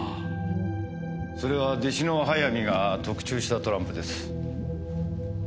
それは弟子の早見が特注したトランプです。